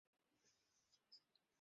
কোনদিনই তুমি কোনো কামের ছিলে না।